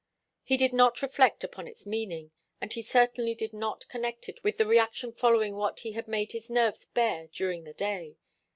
He did not reflect upon its meaning, and he certainly did not connect it with the reaction following what he had made his nerves bear during the day.